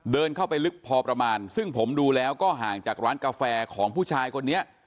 เดินเข้าไปลึกพอประมาณซึ่งผมดูแล้วก็ห่างจากร้านกาแฟของผู้ชายคนนี้